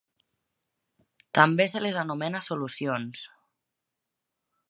També se les anomena solucions.